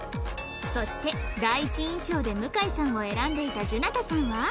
そして第一印象で向さんを選んでいたじゅなたさんは